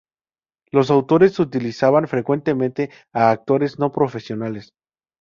Los autores utilizaban frecuentemente a actores no profesionales.